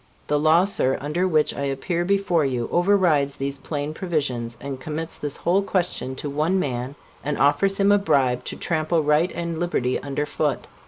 The law, Sir, under which I appear before you, overrides these plain provisions, and commits this whole question to one man, and offers him a bribe to trample right and liberty under foot.